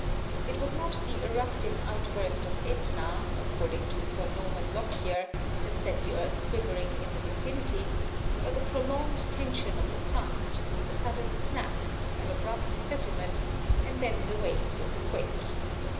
It was not the eruptive outburst of Etna, according to Sir Norman Lockyer, that set the earth quivering in the vicinity, but a prolonged tension of the crust, a sudden snap, an abrupt settlement, and then the waves of the quake.